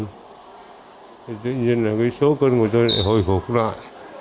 thế tự nhiên là cái số cân của tôi lại hồi hộp lại